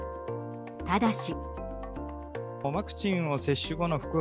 ただし。